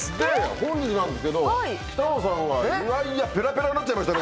本日なんですけれども、北野さんがぺらぺらになっちゃいましたね。